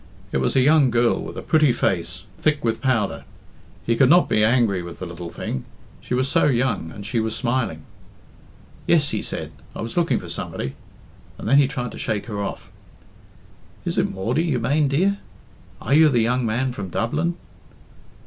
It was a young girl with a pretty face, thick with powder. He could not be angry with the little thing; she was so young, and she was smiling. "Yes," he said, "I was looking for somebody;" and then he tried to shake her off. "Is it Maudie, you mane, dear? Are you the young man from Dublin?"